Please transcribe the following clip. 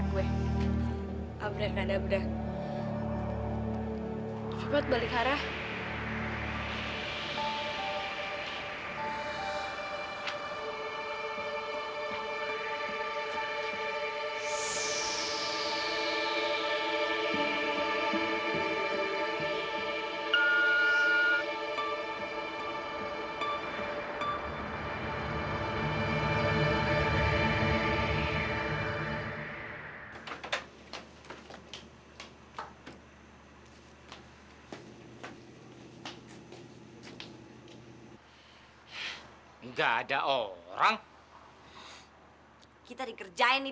siapa yang bawa kamu kesini